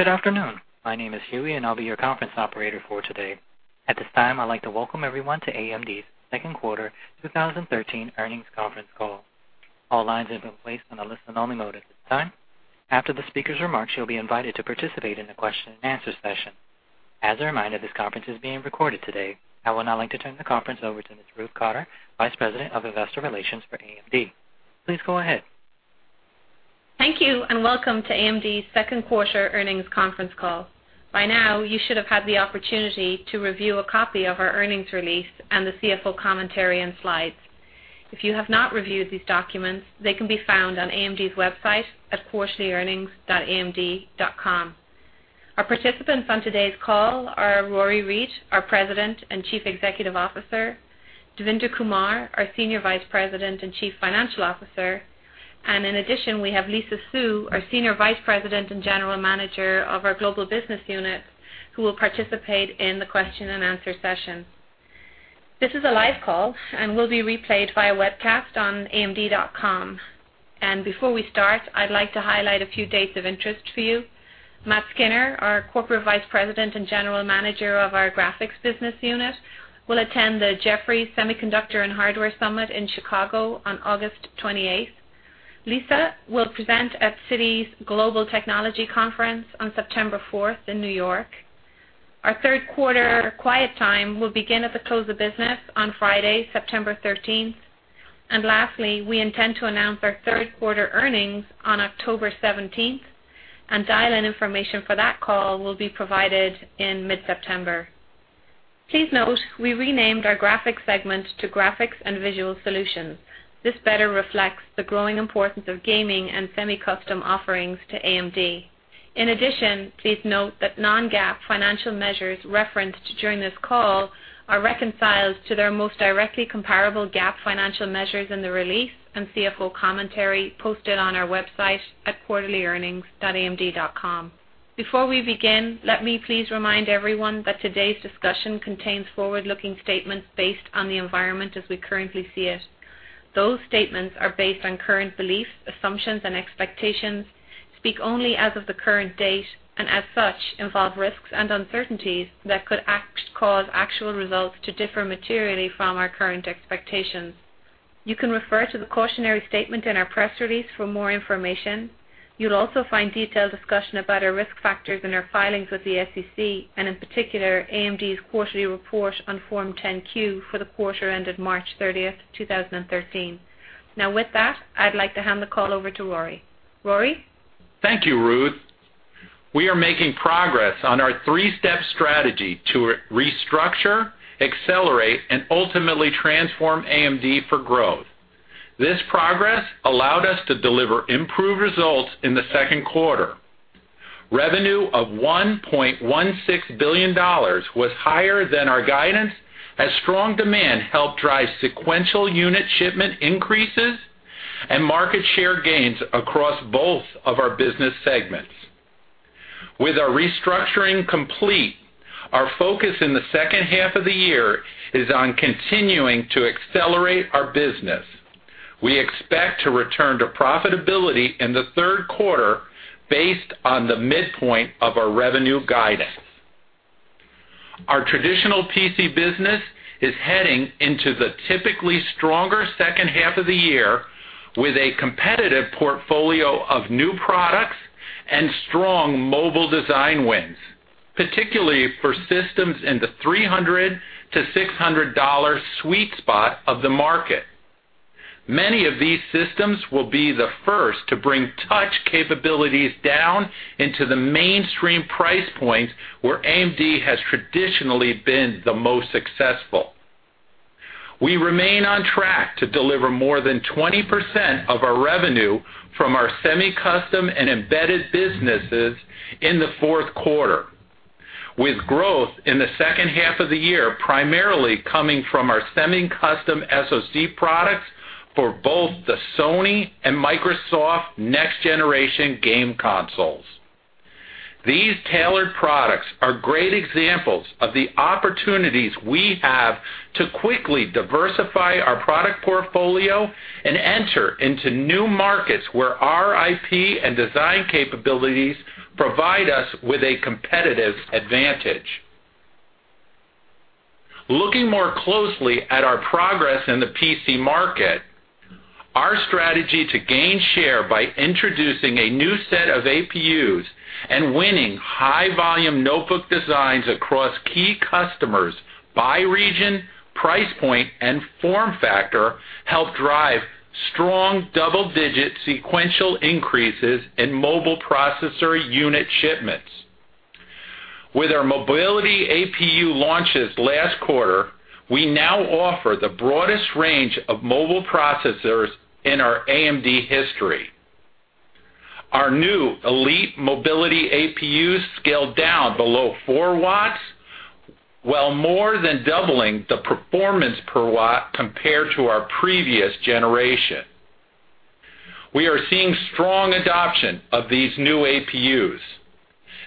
Good afternoon. My name is Huey, and I'll be your conference operator for today. At this time, I'd like to welcome everyone to AMD's second quarter 2013 earnings conference call. All lines have been placed on a listen-only mode at this time. After the speaker's remarks, you'll be invited to participate in a question-and-answer session. As a reminder, this conference is being recorded today. I would now like to turn the conference over to Ms. Ruth Cotter, Vice President of Investor Relations for AMD. Please go ahead. Thank you, welcome to AMD's second quarter earnings conference call. By now, you should have had the opportunity to review a copy of our earnings release and the CFO commentary and slides. If you have not reviewed these documents, they can be found on AMD's website at quarterlyearnings.amd.com. Our participants on today's call are Rory Read, our President and Chief Executive Officer, Devinder Kumar, our Senior Vice President and Chief Financial Officer, and in addition, we have Lisa Su, our Senior Vice President and General Manager of our global business unit, who will participate in the question-and-answer session. This is a live call and will be replayed via webcast on amd.com. Before we start, I'd like to highlight a few dates of interest for you. Matt Skynner, our Corporate Vice President and General Manager of our graphics business unit, will attend the Jefferies Semiconductor and Hardware Summit in Chicago on August 28th. Lisa will present at Citi's Global Technology Conference on September 4th in New York. Our third quarter quiet time will begin at the close of business on Friday, September 13th. Lastly, we intend to announce our third quarter earnings on October 17th, and dial-in information for that call will be provided in mid-September. Please note, we renamed our graphics segment to Graphics and Visual Solutions. This better reflects the growing importance of gaming and semi-custom offerings to AMD. In addition, please note that non-GAAP financial measures referenced during this call are reconciled to their most directly comparable GAAP financial measures in the release and CFO commentary posted on our website at quarterlyearnings.amd.com. Before we begin, let me please remind everyone that today's discussion contains forward-looking statements based on the environment as we currently see it. Those statements are based on current beliefs, assumptions and expectations, speak only as of the current date, and as such, involve risks and uncertainties that could cause actual results to differ materially from our current expectations. You can refer to the cautionary statement in our press release for more information. You'll also find detailed discussion about our risk factors in our filings with the SEC, and in particular, AMD's quarterly report on Form 10-Q for the quarter ended March 30th, 2013. Now with that, I'd like to hand the call over to Rory. Rory? Thank you, Ruth. We are making progress on our three-step strategy to restructure, accelerate, and ultimately transform AMD for growth. This progress allowed us to deliver improved results in the second quarter. Revenue of $1.16 billion was higher than our guidance, as strong demand helped drive sequential unit shipment increases and market share gains across both of our business segments. With our restructuring complete, our focus in the second half of the year is on continuing to accelerate our business. We expect to return to profitability in the third quarter based on the midpoint of our revenue guidance. Our traditional PC business is heading into the typically stronger second half of the year with a competitive portfolio of new products and strong mobile design wins, particularly for systems in the $300 to $600 sweet spot of the market. Many of these systems will be the first to bring touch capabilities down into the mainstream price points where AMD has traditionally been the most successful. We remain on track to deliver more than 20% of our revenue from our semi-custom and embedded businesses in the fourth quarter, with growth in the second half of the year primarily coming from our semi-custom SoC products for both the Sony and Microsoft next-generation game consoles. These tailored products are great examples of the opportunities we have to quickly diversify our product portfolio and enter into new markets where our IP and design capabilities provide us with a competitive advantage. Looking more closely at our progress in the PC market, our strategy to gain share by introducing a new set of APUs and winning high-volume notebook designs across key customers by region, price point, and form factor helped drive strong double-digit sequential increases in mobile processor unit shipments. With our mobility APU launches last quarter, we now offer the broadest range of mobile processors in our AMD history. Our new elite mobility APUs scale down below four watts, while more than doubling the performance per watt compared to our previous generation. We are seeing strong adoption of these new APUs.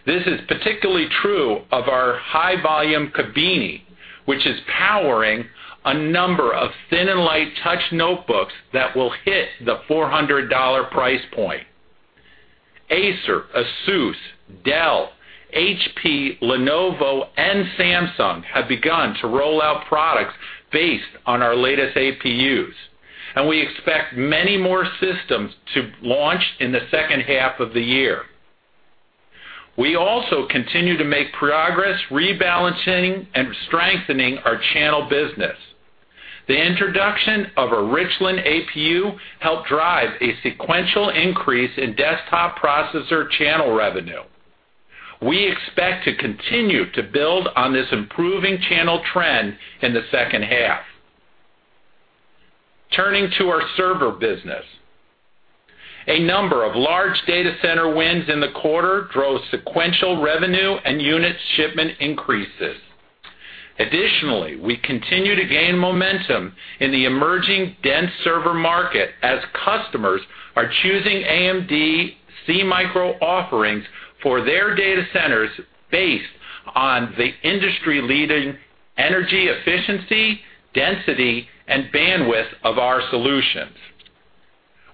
This is particularly true of our high-volume Kabini Which is powering a number of thin and light touch notebooks that will hit the $400 price point. Acer, Asus, Dell, HP, Lenovo, and Samsung have begun to roll out products based on our latest APUs. We expect many more systems to launch in the second half of the year. We also continue to make progress rebalancing and strengthening our channel business. The introduction of a Richland APU helped drive a sequential increase in desktop processor channel revenue. Turning to our server business. A number of large data center wins in the quarter drove sequential revenue and unit shipment increases. Additionally, we continue to gain momentum in the emerging dense server market as customers are choosing AMD SeaMicro offerings for their data centers based on the industry-leading energy efficiency, density, and bandwidth of our solutions.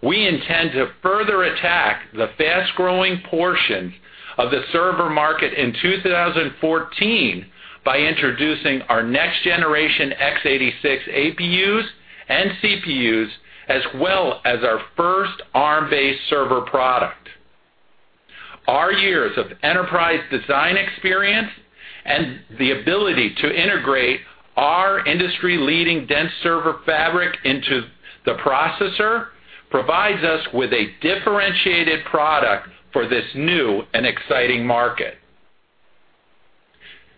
We intend to further attack the fast-growing portion of the server market in 2014 by introducing our next-generation x86 APUs and CPUs, as well as our first Arm-based server product. Our years of enterprise design experience and the ability to integrate our industry-leading dense server fabric into the processor provides us with a differentiated product for this new and exciting market.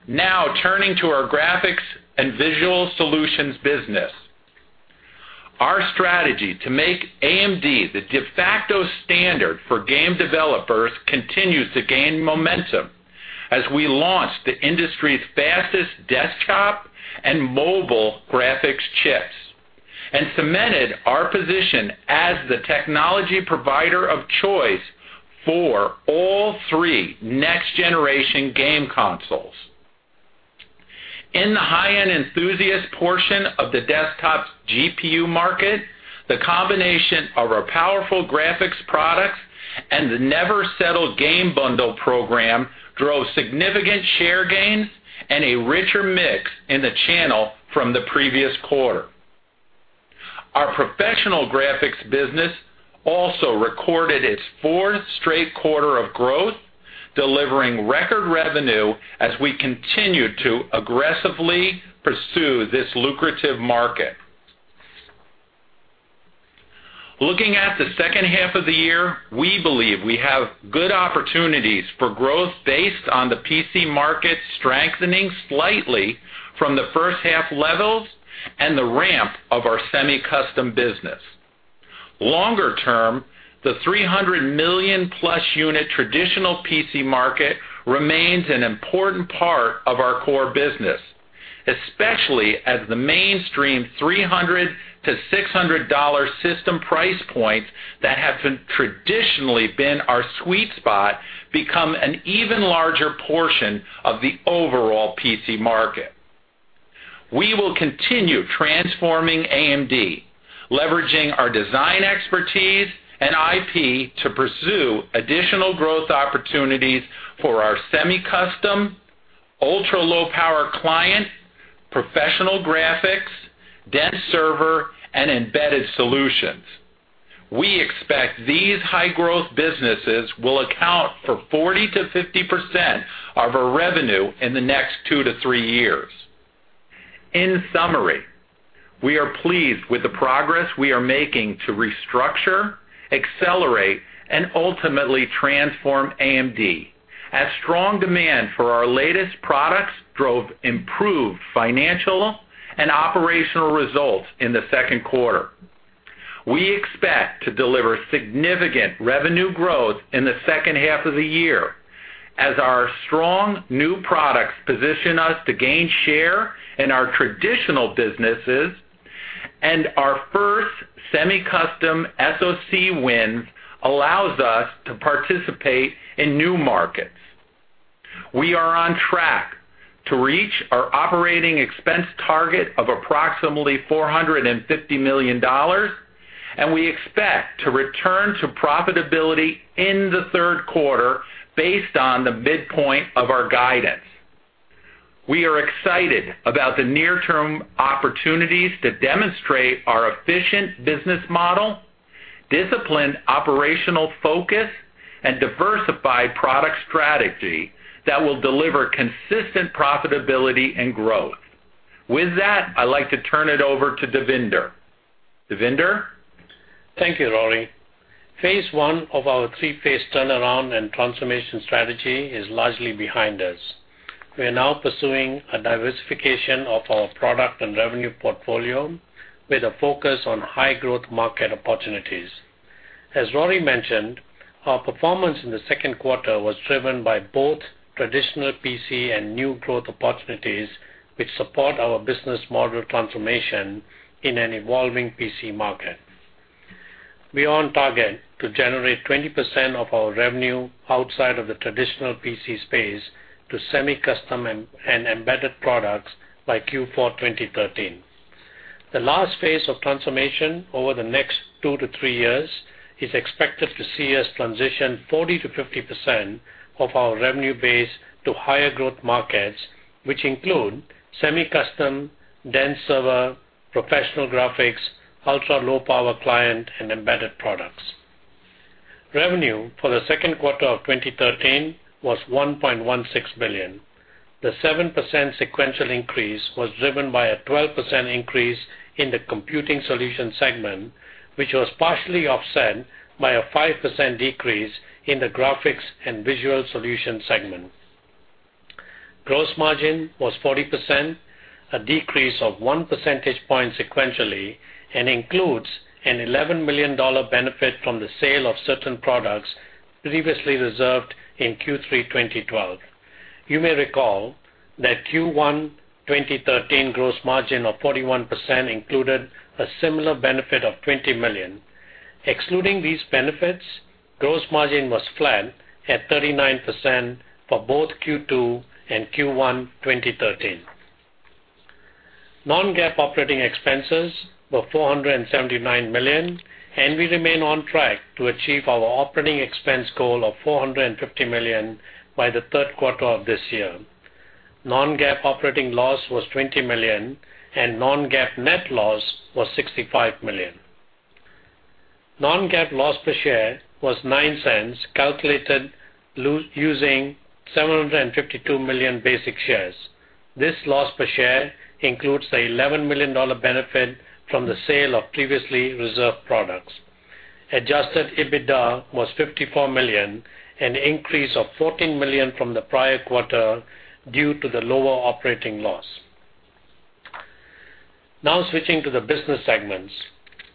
Now turning to our Graphics and Visual Solutions business. Our strategy to make AMD the de facto standard for game developers continues to gain momentum as we launched the industry's fastest desktop and mobile graphics chips and cemented our position as the technology provider of choice for all three next-generation game consoles. In the high-end enthusiast portion of the desktop GPU market, the combination of our powerful graphics products and the Never Settle game bundle program drove significant share gains and a richer mix in the channel from the previous quarter. Our professional graphics business also recorded its fourth straight quarter of growth, delivering record revenue as we continue to aggressively pursue this lucrative market. Looking at the second half of the year, we believe we have good opportunities for growth based on the PC market strengthening slightly from the first half levels and the ramp of our semi-custom business. Longer term, the 300 million-plus unit traditional PC market remains an important part of our core business, especially as the mainstream $300-$600 system price points that have traditionally been our sweet spot become an even larger portion of the overall PC market. We will continue transforming AMD, leveraging our design expertise and IP to pursue additional growth opportunities for our semi-custom, ultra-low power client, professional graphics, dense server, and embedded solutions. We expect these high-growth businesses will account for 40%-50% of our revenue in the next two to three years. In summary, we are pleased with the progress we are making to restructure, accelerate, and ultimately transform AMD, as strong demand for our latest products drove improved financial and operational results in the second quarter. We expect to deliver significant revenue growth in the second half of the year as our strong new products position us to gain share in our traditional businesses and our first semi-custom SoC win allows us to participate in new markets. We are on track to reach our operating expense target of approximately $450 million. We expect to return to profitability in the third quarter based on the midpoint of our guidance. We are excited about the near-term opportunities to demonstrate our efficient business model, disciplined operational focus, and diversified product strategy that will deliver consistent profitability and growth. With that, I'd like to turn it over to Devinder. Devinder? Thank you, Rory. Phase one of our three-phase turnaround and transformation strategy is largely behind us. We are now pursuing a diversification of our product and revenue portfolio with a focus on high-growth market opportunities. As Rory mentioned, our performance in the second quarter was driven by both traditional PC and new growth opportunities, which support our business model transformation in an evolving PC market. We are on target to generate 20% of our revenue outside of the traditional PC space to semi-custom and embedded products by Q4 2013. The last phase of transformation over the next two to three years is expected to see us transition 40% to 50% of our revenue base to higher growth markets, which include semi-custom, dense server, professional graphics, ultra-low power client, and embedded products. Revenue for the second quarter of 2013 was $1.16 billion. The 7% sequential increase was driven by a 12% increase in the Computing Solutions segment, which was partially offset by a 5% decrease in the Graphics and Visual Solutions segment. Gross margin was 40%, a decrease of one percentage point sequentially and includes an $11 million benefit from the sale of certain products previously reserved in Q3 2012. You may recall that Q1 2013 gross margin of 41% included a similar benefit of $20 million. Excluding these benefits, gross margin was flat at 39% for both Q2 and Q1 2013. Non-GAAP operating expenses were $479 million, and we remain on track to achieve our operating expense goal of $450 million by the third quarter of this year. Non-GAAP operating loss was $20 million, and non-GAAP net loss was $65 million. Non-GAAP loss per share was $0.09, calculated using 752 million basic shares. This loss per share includes the $11 million benefit from the sale of previously reserved products. Adjusted EBITDA was $54 million, an increase of $14 million from the prior quarter due to the lower operating loss. Now switching to the business segments.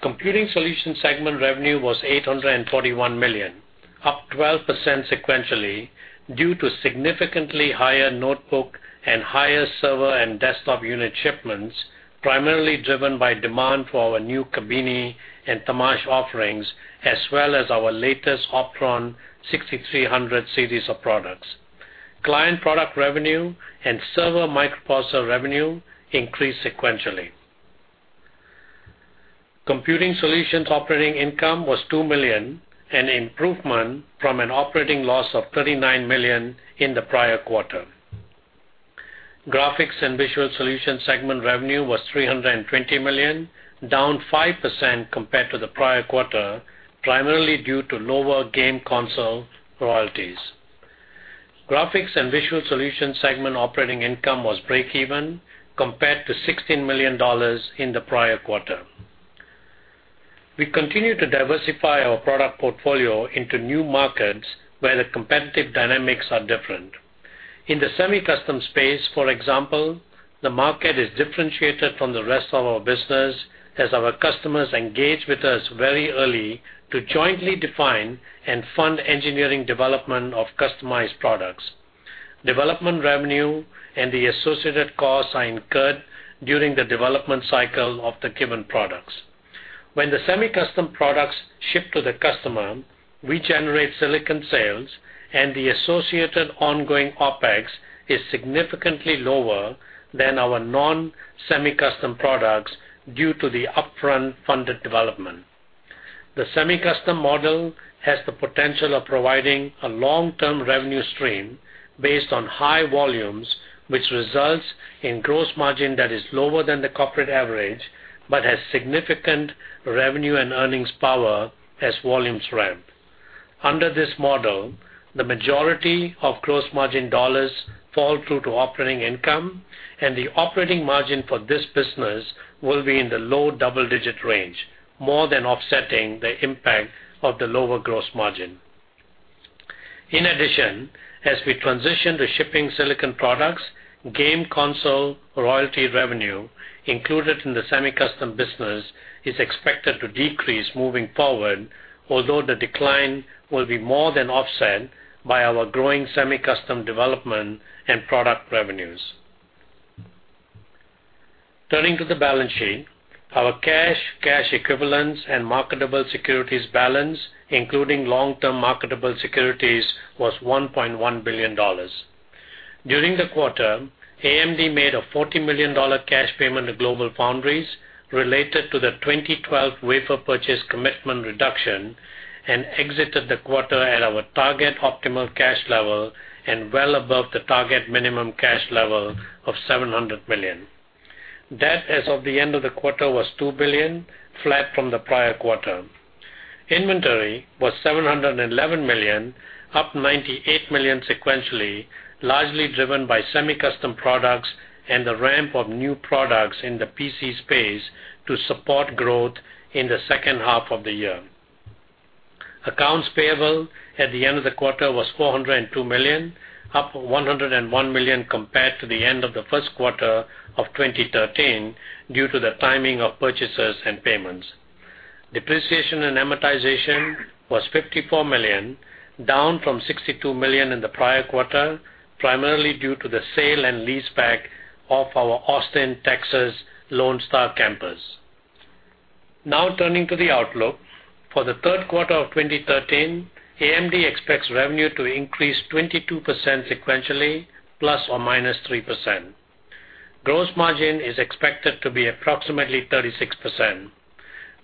Computing Solutions segment revenue was $841 million, up 12% sequentially due to significantly higher notebook and higher server and desktop unit shipments, primarily driven by demand for our new Kabini and Temash offerings, as well as our latest Opteron 6300 series of products. Client product revenue and server microprocessor revenue increased sequentially. Computing Solutions operating income was $2 million, an improvement from an operating loss of $39 million in the prior quarter. Graphics and Visual Solutions segment revenue was $320 million, down 5% compared to the prior quarter, primarily due to lower game console royalties. Graphics and Visual Solutions segment operating income was breakeven compared to $16 million in the prior quarter. We continue to diversify our product portfolio into new markets where the competitive dynamics are different. In the semi-custom space, for example, the market is differentiated from the rest of our business as our customers engage with us very early to jointly define and fund engineering development of customized products. Development revenue and the associated costs are incurred during the development cycle of the given products. When the semi-custom products ship to the customer, we generate silicon sales, and the associated ongoing OpEx is significantly lower than our non-semi-custom products due to the upfront funded development. The semi-custom model has the potential of providing a long-term revenue stream based on high volumes, which results in gross margin that is lower than the corporate average, but has significant revenue and earnings power as volumes ramp. Under this model, the majority of gross margin dollars fall through to operating income, and the operating margin for this business will be in the low double-digit range, more than offsetting the impact of the lower gross margin. In addition, as we transition to shipping silicon products, game console royalty revenue included in the semi-custom business is expected to decrease moving forward, although the decline will be more than offset by our growing semi-custom development and product revenues. Turning to the balance sheet. Our cash equivalents, and marketable securities balance, including long-term marketable securities, was $1.1 billion. During the quarter, AMD made a $40 million cash payment to GlobalFoundries related to the 2012 wafer purchase commitment reduction and exited the quarter at our target optimal cash level and well above the target minimum cash level of $700 million. Debt as of the end of the quarter was $2 billion, flat from the prior quarter. Inventory was $711 million, up $98 million sequentially, largely driven by semi-custom products and the ramp of new products in the PC space to support growth in the second half of the year. Accounts payable at the end of the quarter was $402 million, up $101 million compared to the end of the first quarter of 2013 due to the timing of purchases and payments. Depreciation and amortization was $54 million, down from $62 million in the prior quarter, primarily due to the sale and lease back of our Austin, Texas, Lone Star campus. Now turning to the outlook. For the third quarter of 2013, AMD expects revenue to increase 22% sequentially, ±3%. Gross margin is expected to be approximately 36%.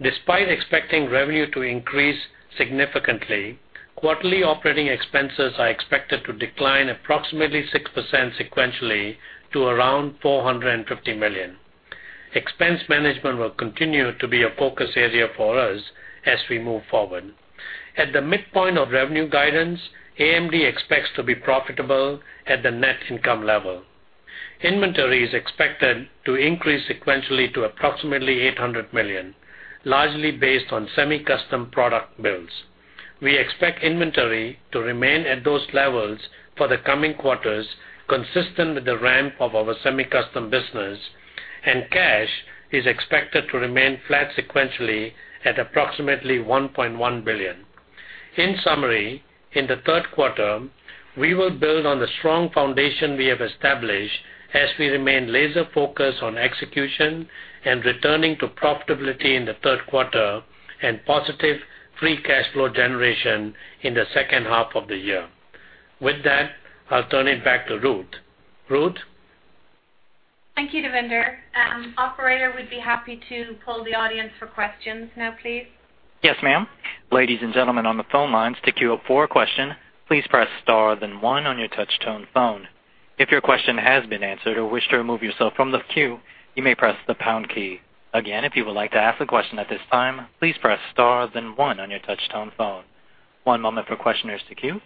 Despite expecting revenue to increase significantly, quarterly operating expenses are expected to decline approximately 6% sequentially to around $450 million. Expense management will continue to be a focus area for us as we move forward. At the midpoint of revenue guidance, AMD expects to be profitable at the net income level. Inventory is expected to increase sequentially to approximately $800 million, largely based on semi-custom product builds. We expect inventory to remain at those levels for the coming quarters, consistent with the ramp of our semi-custom business, and cash is expected to remain flat sequentially at approximately $1.1 billion. In summary, in the third quarter, we will build on the strong foundation we have established as we remain laser focused on execution and returning to profitability in the third quarter and positive free cash flow generation in the second half of the year. With that, I'll turn it back to Ruth. Ruth? Thank you, Devinder. Operator, we'd be happy to poll the audience for questions now, please. Yes, ma'am. Ladies and gentlemen on the phone lines, to queue up for a question, please press star then one on your touch-tone phone. If your question has been answered or wish to remove yourself from the queue, you may press the pound key. Again, if you would like to ask a question at this time, please press star then one on your touch-tone phone. One moment for questioners to queue.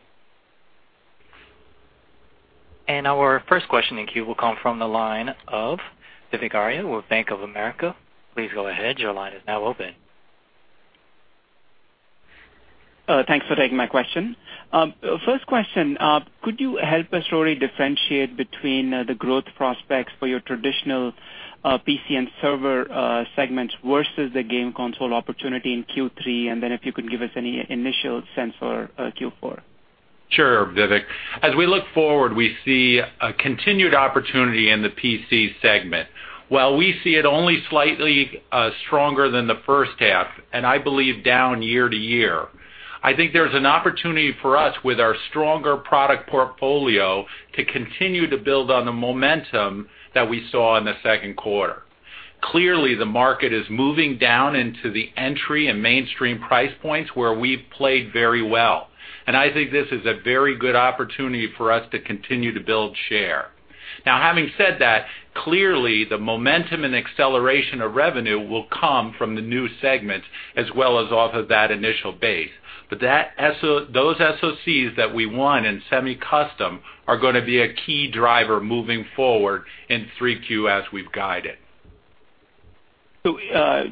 Our first question in queue will come from the line of Vivek Arya with Bank of America. Please go ahead. Your line is now open. Thanks for taking my question. First question. Could you help us really differentiate between the growth prospects for your traditional PC and server segments versus the game console opportunity in Q3? If you could give us any initial sense for Q4. Sure, Vivek. As we look forward, we see a continued opportunity in the PC segment. While we see it only slightly stronger than the first half, and I believe down year-over-year, I think there's an opportunity for us with our stronger product portfolio to continue to build on the momentum that we saw in the second quarter. Clearly, the market is moving down into the entry and mainstream price points where we've played very well, and I think this is a very good opportunity for us to continue to build share. Now, having said that, clearly the momentum and acceleration of revenue will come from the new segments as well as off of that initial base. But those SoCs that we won in semi-custom are going to be a key driver moving forward in 3Q as we've guided.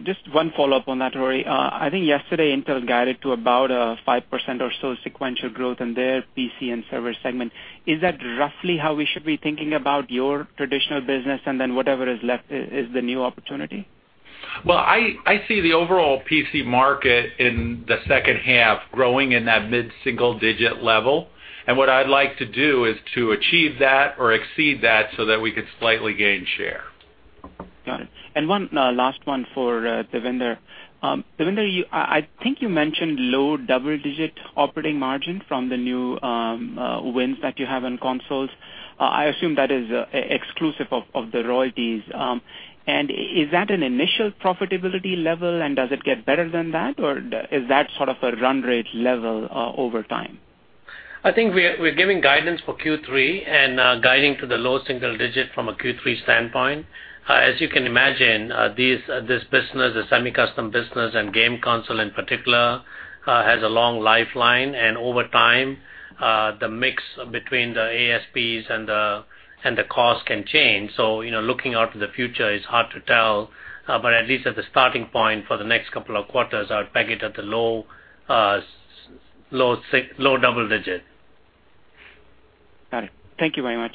Just one follow-up on that, Rory. I think yesterday Intel guided to about a 5% or so sequential growth in their PC and server segment. Is that roughly how we should be thinking about your traditional business and then whatever is left is the new opportunity? Well, I see the overall PC market in the second half growing in that mid-single digit level. What I'd like to do is to achieve that or exceed that so that we could slightly gain share. Got it. One last one for Devinder. Devinder, I think you mentioned low double-digit operating margin from the new wins that you have in consoles. I assume that is exclusive of the royalties. Is that an initial profitability level and does it get better than that, or is that sort of a run rate level over time? I think we're giving guidance for Q3 and guiding to the low double digit from a Q3 standpoint. As you can imagine, this business, the semi-custom business and game console in particular, has a long lifeline and over time, the mix between the ASPs and the cost can change. Looking out to the future, it's hard to tell, but at least at the starting point for the next couple of quarters, I'd peg it at the low double digit. Got it. Thank you very much.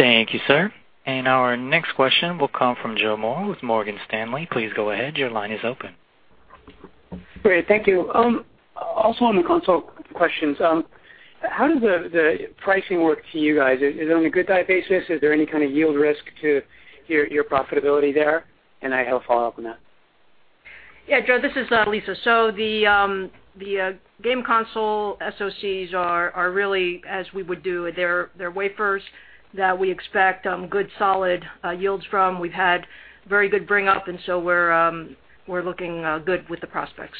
Thank you, sir. Our next question will come from Joseph Moore with Morgan Stanley. Please go ahead. Your line is open. Great. Thank you. Also on the console questions, how does the pricing work to you guys? Is it on a good die basis? Is there any kind of yield risk to your profitability there? I have a follow-up on that. Joe, this is Lisa. The game console SoCs are really as we would do. They're wafers that we expect good, solid yields from. We've had very good bring up, we're looking good with the prospects.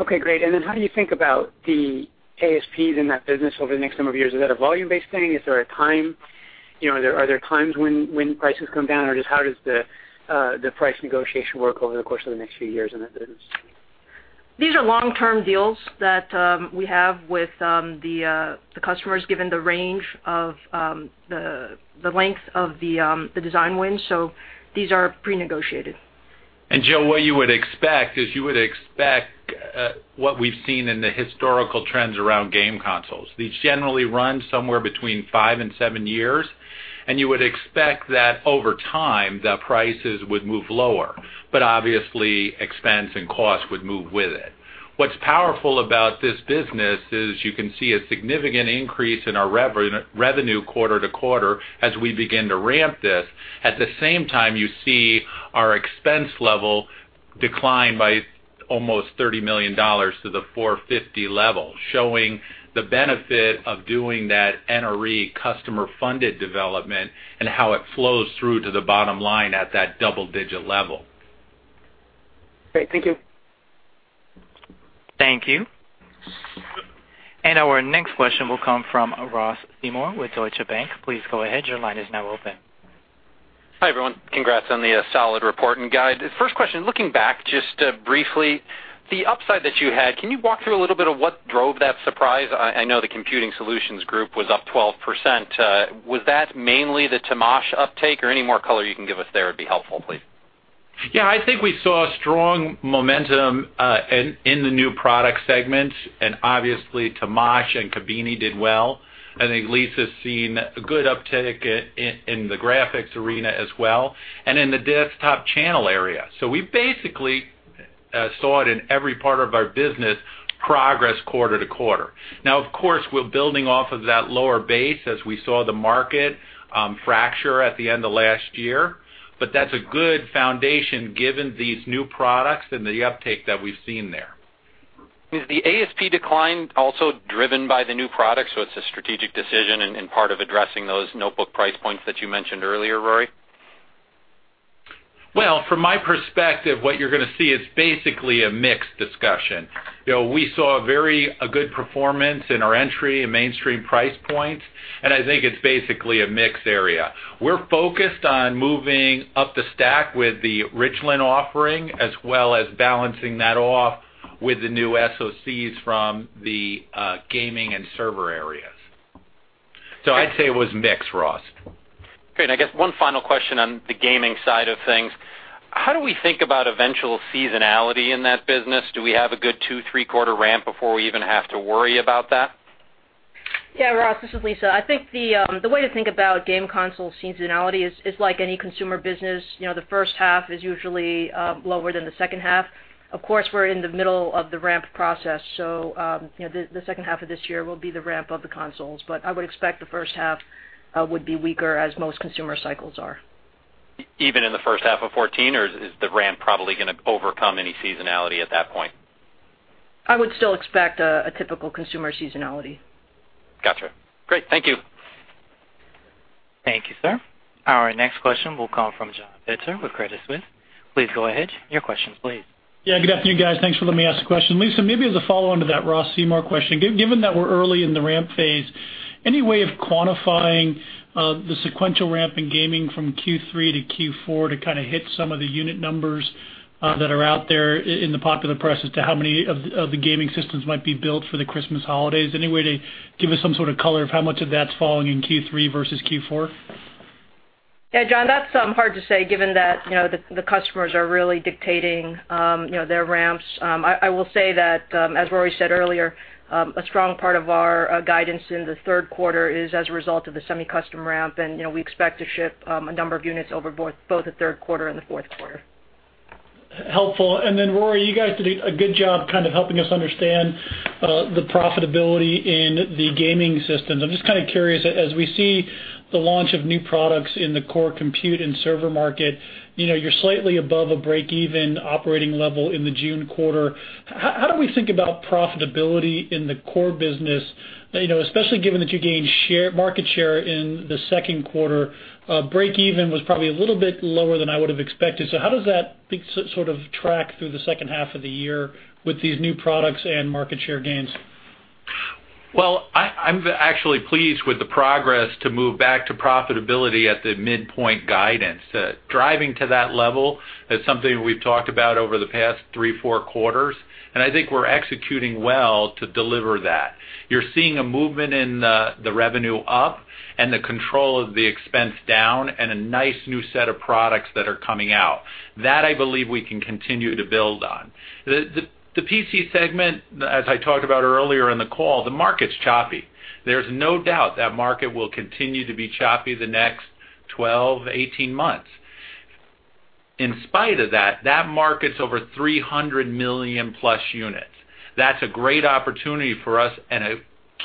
Okay, great. Then how do you think about the ASPs in that business over the next number of years? Is that a volume-based thing? Is there a time? Are there times when prices come down, or just how does the price negotiation work over the course of the next few years in that business? These are long-term deals that we have with the customers, given the range of the length of the design win. These are pre-negotiated. Joe, what you would expect is you would expect what we've seen in the historical trends around game consoles. These generally run somewhere between five and seven years, and you would expect that over time, the prices would move lower, but obviously expense and cost would move with it. What's powerful about this business is you can see a significant increase in our revenue quarter-to-quarter as we begin to ramp this. At the same time, you see our expense level decline by almost $30 million to the 450 level, showing the benefit of doing that NRE customer-funded development and how it flows through to the bottom line at that double-digit level. Great. Thank you. Thank you. Our next question will come from Ross Seymore with Deutsche Bank. Please go ahead. Your line is now open. Hi, everyone. Congrats on the solid report and guide. First question, looking back just briefly, the upside that you had, can you walk through a little bit of what drove that surprise? I know the Computing Solutions group was up 12%. Was that mainly the Temash uptake? Any more color you can give us there would be helpful, please. I think we saw strong momentum in the new product segments and obviously Temash and Kabini did well. I think Lisa's seen a good uptick in the graphics arena as well, and in the desktop channel area. We basically saw it in every part of our business, progress quarter-to-quarter. Of course, we're building off of that lower base as we saw the market fracture at the end of last year. That's a good foundation given these new products and the uptake that we've seen there. Is the ASP decline also driven by the new products, it's a strategic decision and part of addressing those notebook price points that you mentioned earlier, Rory? Well, from my perspective, what you're going to see is basically a mix discussion. We saw a good performance in our entry and mainstream price points, and I think it's basically a mix area. We're focused on moving up the stack with the Richland offering, as well as balancing that off with the new SoCs from the gaming and server areas. I'd say it was mix, Ross. Great. I guess one final question on the gaming side of things. How do we think about eventual seasonality in that business? Do we have a good two, three-quarter ramp before we even have to worry about that? Yeah, Ross, this is Lisa. I think the way to think about game console seasonality is like any consumer business, the first half is usually lower than the second half. Of course, we're in the middle of the ramp process, so the second half of this year will be the ramp of the consoles. I would expect the first half would be weaker as most consumer cycles are. Even in the first half of 2014, is the ramp probably going to overcome any seasonality at that point? I would still expect a typical consumer seasonality. Got you. Great. Thank you. Thank you, sir. Our next question will come from John Pitzer with Credit Suisse. Please go ahead. Your question, please. Good afternoon, guys. Thanks for letting me ask a question. Lisa, maybe as a follow-on to that Ross Seymore question, given that we're early in the ramp phase, any way of quantifying the sequential ramp in gaming from Q3 to Q4 to kind of hit some of the unit numbers that are out there in the popular press as to how many of the gaming systems might be built for the Christmas holidays? Any way to give us some sort of color of how much of that's falling in Q3 versus Q4? Yeah, John, that's hard to say given that the customers are really dictating their ramps. I will say that, as Rory said earlier, a strong part of our guidance in the third quarter is as a result of the semi-custom ramp, and we expect to ship a number of units over both the third quarter and the fourth quarter. Helpful. Rory, you guys did a good job kind of helping us understand the profitability in the gaming systems. I'm just kind of curious, as we see the launch of new products in the core compute and server market, you're slightly above a break-even operating level in the June quarter. How do we think about profitability in the core business, especially given that you gained market share in the second quarter? Break-even was probably a little bit lower than I would have expected. How does that sort of track through the second half of the year with these new products and market share gains? Well, I'm actually pleased with the progress to move back to profitability at the midpoint guidance. Driving to that level is something we've talked about over the past three, four quarters. I think we're executing well to deliver that. You're seeing a movement in the revenue up and the control of the expense down and a nice new set of products that are coming out. That I believe we can continue to build on. The PC segment, as I talked about earlier in the call, the market's choppy. There's no doubt that market will continue to be choppy the next 12, 18 months. In spite of that market's over 300 million-plus units. That's a great opportunity for us and a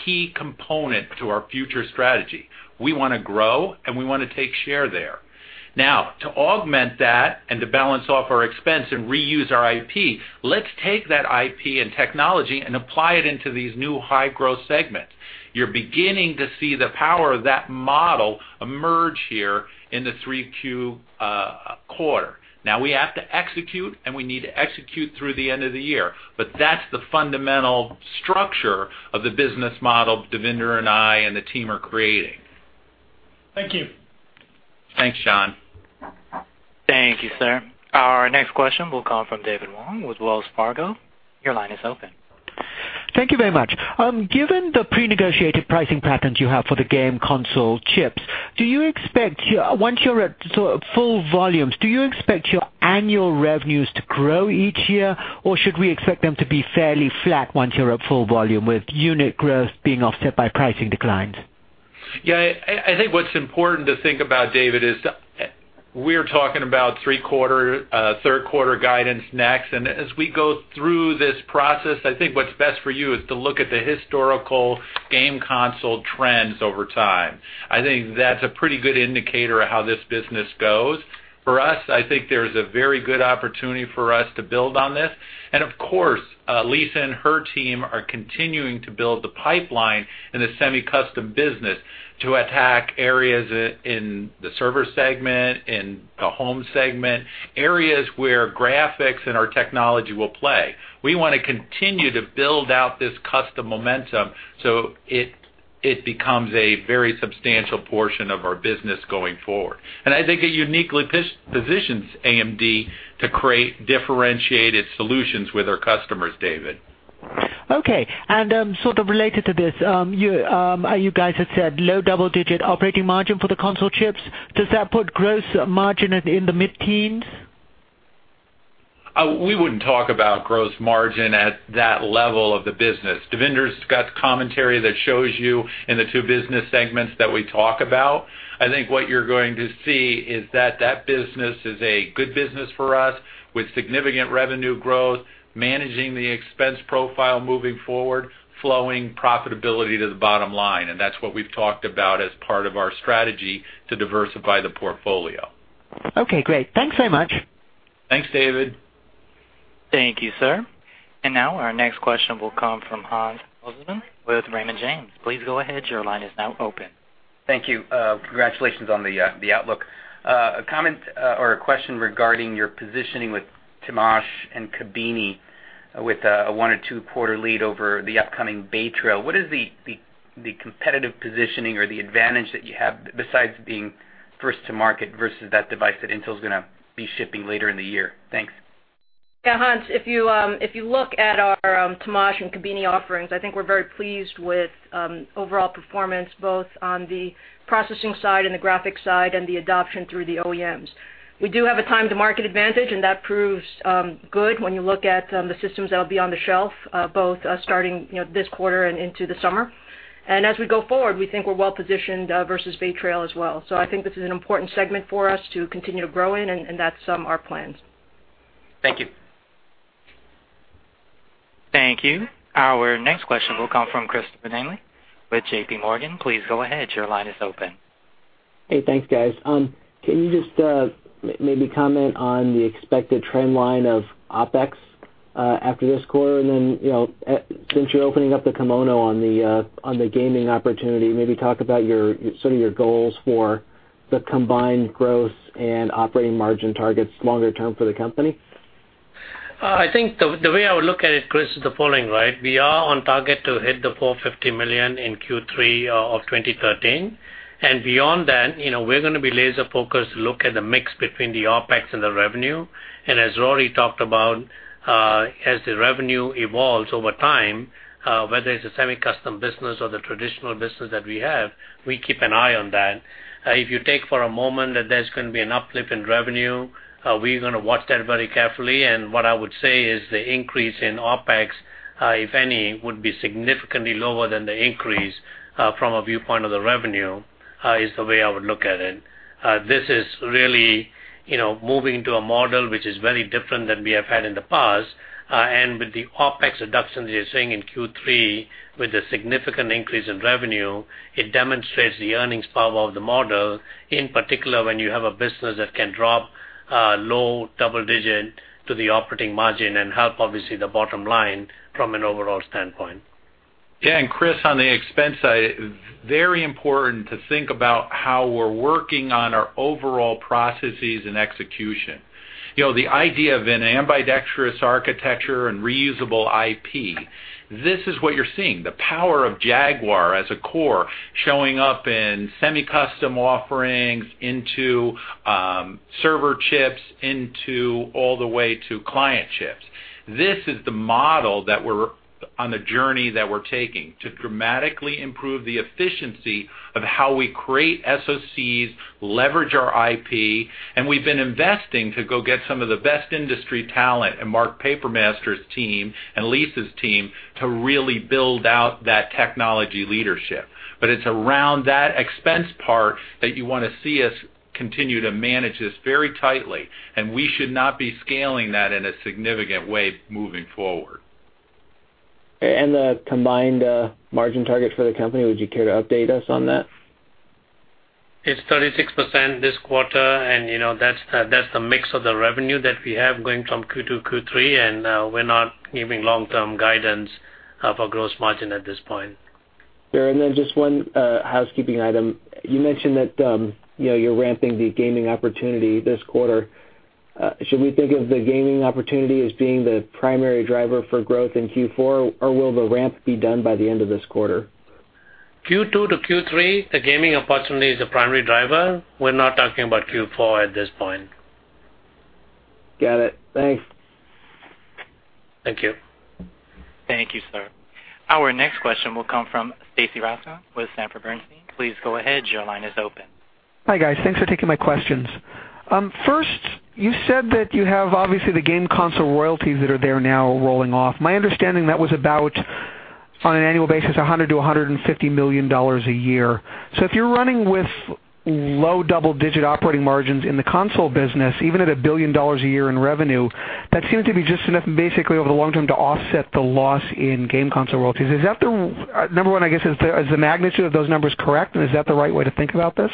key component to our future strategy. We want to grow, and we want to take share there. Now, to augment that and to balance off our expense and reuse our IP, let's take that IP and technology and apply it into these new high-growth segments. You're beginning to see the power of that model emerge here in the 3Q quarter. Now we have to execute, we need to execute through the end of the year. That's the fundamental structure of the business model Devinder and I and the team are creating. Thank you. Thanks, John. Thank you, sir. Our next question will come from David Wong with Wells Fargo. Your line is open. Thank you very much. Given the pre-negotiated pricing patterns you have for the game console chips, once you're at full volumes, do you expect your annual revenues to grow each year, or should we expect them to be fairly flat once you're at full volume, with unit growth being offset by pricing declines? Yeah, I think what's important to think about, David, is we're talking about third quarter guidance next. As we go through this process, I think what's best for you is to look at the historical game console trends over time. I think that's a pretty good indicator of how this business goes. For us, I think there's a very good opportunity for us to build on this. Of course, Lisa and her team are continuing to build the pipeline in the semi-custom business to attack areas in the server segment, in the home segment, areas where graphics and our technology will play. We want to continue to build out this custom momentum so it becomes a very substantial portion of our business going forward. I think it uniquely positions AMD to create differentiated solutions with our customers, David. Okay. Sort of related to this, you guys had said low double-digit operating margin for the console chips. Does that put gross margin in the mid-teens? We wouldn't talk about gross margin at that level of the business. Devinder's got commentary that shows you in the two business segments that we talk about. I think what you're going to see is that that business is a good business for us with significant revenue growth, managing the expense profile moving forward, flowing profitability to the bottom line, that's what we've talked about as part of our strategy to diversify the portfolio. Okay, great. Thanks so much. Thanks, David. Thank you, sir. Our next question will come from Hans Mosesmann with Raymond James. Please go ahead. Your line is now open. Thank you. Congratulations on the outlook. A comment or a question regarding your positioning with Temash and Kabini with a one or two-quarter lead over the upcoming Bay Trail. What is the competitive positioning or the advantage that you have besides being first to market versus that device that Intel's going to be shipping later in the year? Thanks. Yeah, Hans, if you look at our Temash and Kabini offerings, I think we're very pleased with overall performance, both on the processing side and the graphics side, and the adoption through the OEMs. We do have a time-to-market advantage, and that proves good when you look at the systems that will be on the shelf both starting this quarter and into the summer. As we go forward, we think we're well-positioned versus Bay Trail as well. I think this is an important segment for us to continue to grow in, and that's our plans. Thank you. Thank you. Our next question will come from Christopher Danely with J.P. Morgan. Please go ahead. Your line is open. Hey, thanks, guys. Can you just maybe comment on the expected trend line of OpEx after this quarter? Then, since you're opening up the kimono on the gaming opportunity, maybe talk about some of your goals for the combined growth and operating margin targets longer term for the company. I think the way I would look at it, Chris, is the following, right? We are on target to hit the $450 million in Q3 of 2013. Beyond that, we're going to be laser focused to look at the mix between the OpEx and the revenue. As Rory talked about, as the revenue evolves over time, whether it's a semi-custom business or the traditional business that we have, we keep an eye on that. If you take for a moment that there's going to be an uplift in revenue, we're going to watch that very carefully. What I would say is the increase in OpEx, if any, would be significantly lower than the increase from a viewpoint of the revenue, is the way I would look at it. This is really moving to a model which is very different than we have had in the past. With the OpEx reductions you're seeing in Q3 with a significant increase in revenue, it demonstrates the earnings power of the model, in particular, when you have a business that can drop low double-digit to the operating margin and help, obviously, the bottom line from an overall standpoint. Chris, on the expense side, very important to think about how we're working on our overall processes and execution. The idea of an ambidextrous architecture and reusable IP, this is what you're seeing. The power of Jaguar as a core showing up in semi-custom offerings into server chips into all the way to client chips. This is the model that we're on the journey that we're taking to dramatically improve the efficiency of how we create SOCs, leverage our IP. We've been investing to go get some of the best industry talent and Mark Papermaster's team and Lisa's team to really build out that technology leadership. It's around that expense part that you want to see us continue to manage this very tightly. We should not be scaling that in a significant way moving forward. The combined margin target for the company, would you care to update us on that? It's 36% this quarter. That's the mix of the revenue that we have going from Q2, Q3. We're not giving long-term guidance of our gross margin at this point. Sure. Then just one housekeeping item. You mentioned that you're ramping the gaming opportunity this quarter. Should we think of the gaming opportunity as being the primary driver for growth in Q4, or will the ramp be done by the end of this quarter? Q2 to Q3, the gaming opportunity is the primary driver. We're not talking about Q4 at this point. Got it. Thanks. Thank you. Thank you, sir. Our next question will come from Stacy Rasgon with Sanford C. Bernstein. Please go ahead. Your line is open. Hi, guys. Thanks for taking my questions. First, you said that you have obviously the game console royalties that are there now rolling off. My understanding, that was about, on an annual basis, $100 million-$150 million a year. So if you're running with low double-digit operating margins in the console business, even at $1 billion a year in revenue, that seems to be just enough, basically, over the long term, to offset the loss in game console royalties. Number 1, I guess, is the magnitude of those numbers correct, and is that the right way to think about this?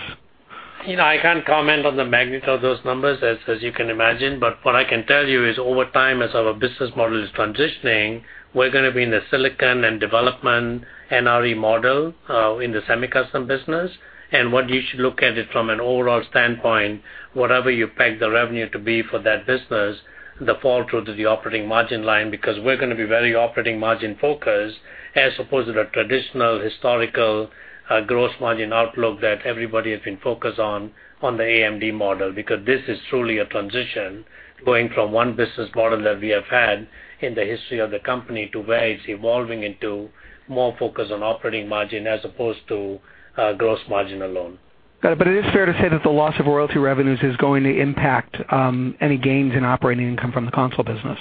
I can't comment on the magnitude of those numbers, as you can imagine. What I can tell you is, over time, as our business model is transitioning, we're going to be in the silicon and development NRE model in the semi-custom business. What you should look at it from an overall standpoint, whatever you peg the revenue to be for that business, the fall through to the operating margin line, because we're going to be very operating margin focused, as opposed to the traditional historical gross margin outlook that everybody has been focused on the AMD model. Because this is truly a transition, going from one business model that we have had in the history of the company to where it's evolving into more focus on operating margin as opposed to gross margin alone. Got it. It is fair to say that the loss of royalty revenues is going to impact any gains in operating income from the console business.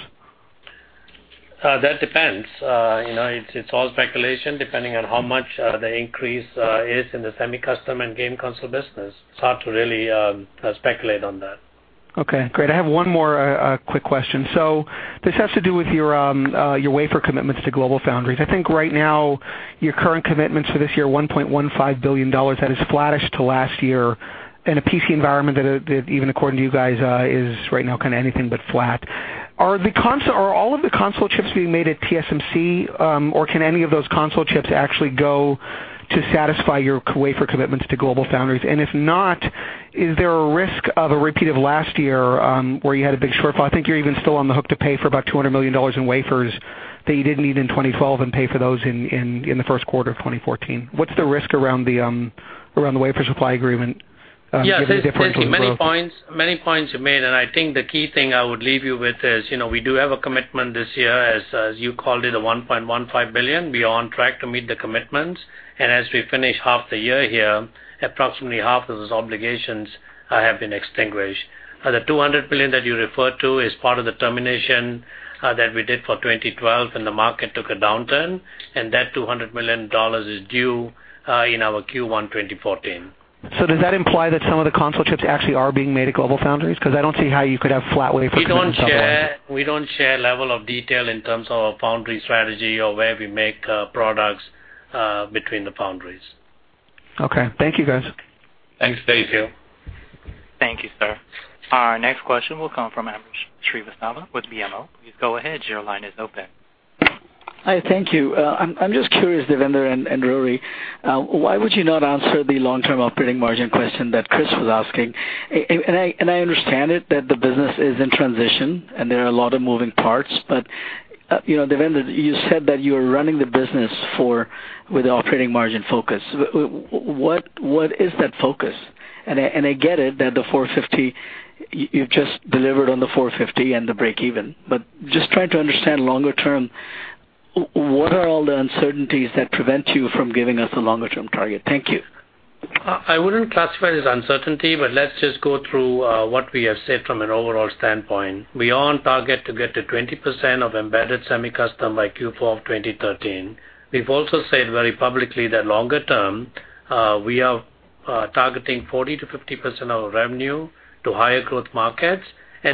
That depends. It's all speculation, depending on how much the increase is in the semi-custom and game console business. It's hard to really speculate on that. Okay, great. I have one more quick question. This has to do with your wafer commitments to GlobalFoundries. I think right now, your current commitments for this year, $1.15 billion. That is flattish to last year in a PC environment that, even according to you guys, is right now kind of anything but flat. Are all of the console chips being made at TSMC, or can any of those console chips actually go to satisfy your wafer commitments to GlobalFoundries? If not, is there a risk of a repeat of last year, where you had a big shortfall? I think you're even still on the hook to pay for about $200 million in wafers that you didn't need in 2012 and pay for those in the first quarter of 2014. What's the risk around the wafer supply agreement giving a difference with Global- Yes. Many points you made, I think the key thing I would leave you with is, we do have a commitment this year, as you called it, of $1.15 billion. We are on track to meet the commitments. As we finish half the year here, approximately half of those obligations have been extinguished. The $200 million that you referred to is part of the termination that we did for 2012 when the market took a downturn, and that $200 million is due in our Q1 2014. Does that imply that some of the console chips actually are being made at GlobalFoundries? Because I don't see how you could have flat wafer commitments otherwise. We don't share level of detail in terms of our foundry strategy or where we make products between the foundries. Okay. Thank you, guys. Thanks, Stacy. Thank you, sir. Our next question will come from Ambrish Srivastava with BMO. Please go ahead, your line is open. Hi, thank you. I'm just curious, Devinder and Rory, why would you not answer the long-term operating margin question that Chris was asking? I understand it, that the business is in transition and there are a lot of moving parts. Devinder, you said that you are running the business with the operating margin focus. What is that focus? I get it, that the 450, you've just delivered on the 450 and the breakeven. Just trying to understand longer term, what are all the uncertainties that prevent you from giving us a longer-term target? Thank you. I wouldn't classify it as uncertainty, let's just go through what we have said from an overall standpoint. We are on target to get to 20% of embedded semi-custom by Q4 of 2013. We've also said very publicly that longer term, we are targeting 40%-50% of our revenue to higher growth markets,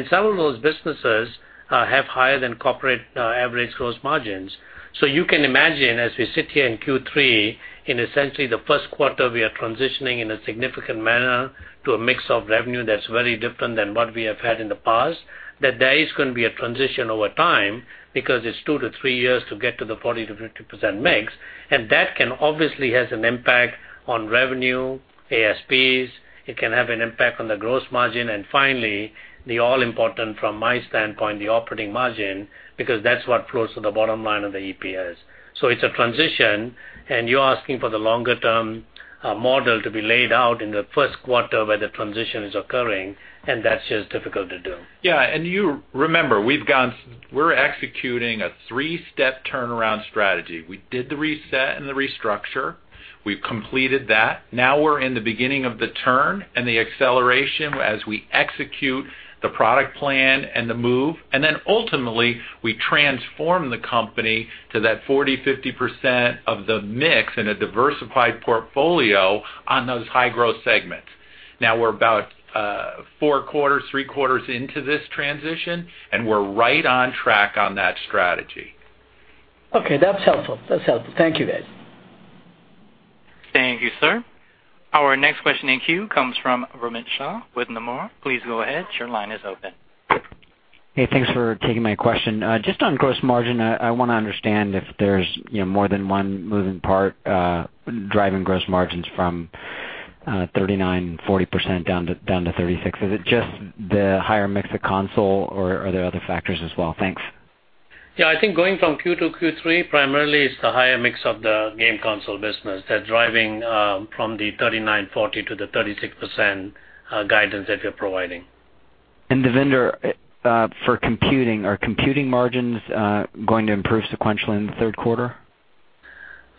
some of those businesses have higher than corporate average gross margins. You can imagine, as we sit here in Q3, in essentially the first quarter, we are transitioning in a significant manner to a mix of revenue that's very different than what we have had in the past, there is going to be a transition over time because it's 2-3 years to get to the 40%-50% mix. That can obviously has an impact on revenue, ASPs. It can have an impact on the gross margin, finally, the all-important, from my standpoint, the operating margin, because that's what flows to the bottom line of the EPS. It's a transition, you're asking for the longer-term model to be laid out in the first quarter where the transition is occurring, that's just difficult to do. Yeah. Remember, we're executing a three-step turnaround strategy. We did the reset and the restructure. We've completed that. We're in the beginning of the turn and the acceleration as we execute the product plan and the move, ultimately, we transform the company to that 40%-50% of the mix in a diversified portfolio on those high-growth segments. We're about four quarters, three quarters into this transition, we're right on track on that strategy. Okay, that's helpful. Thank you, guys. Thank you, sir. Our next question in queue comes from Romit Shah with Nomura. Please go ahead. Your line is open. Hey, thanks for taking my question. Just on gross margin, I want to understand if there's more than one moving part driving gross margins from 39%, 40% down to 36%. Is it just the higher mix of console, or are there other factors as well? Thanks. Yeah. I think going from Q2 to Q3, primarily it's the higher mix of the game console business that's driving from the 39%, 40% to the 36% guidance that we're providing. Devinder, for computing, are computing margins going to improve sequentially in the third quarter?